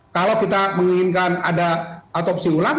kalau kita menginginkan ada otopsi ulang